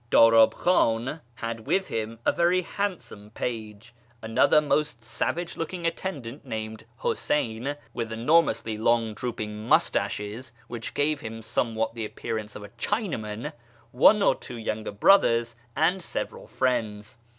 Darab Kh;in had with him a very handsome page ; another FROM SHIRAZ to YEZD 351 most savage looking attendant named Huseyn, with enormously long drooping moustaches, which gave him somewhat the appearance of a Chinaman ; one or two younger brothers ; and several friends.